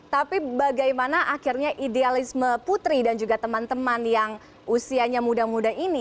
tapi bagaimana akhirnya idealisme putri dan juga teman teman yang usianya muda muda ini